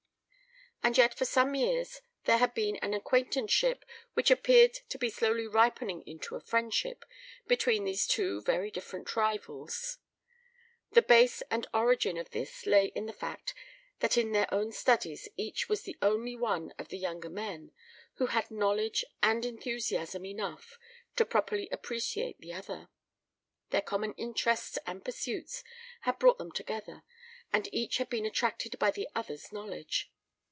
And yet for some years there had been an acquaintanceship which appeared to be slowly ripening into a friendship between these two very different rivals. The base and origin of this lay in the fact that in their own studies each was the only one of the younger men who had knowledge and enthusiasm enough to properly appreciate the other. Their common interests and pursuits had brought them together, and each had been attracted by the other's knowledge.